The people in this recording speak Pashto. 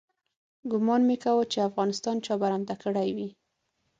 ګومان مې کاوه چې افغانستان چا برمته کړی وي.